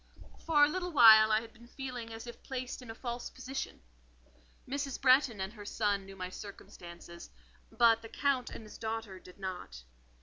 For a little while I had been feeling as if placed in a false position. Mrs. Bretton and son knew my circumstances; but the Count and his daughter did not.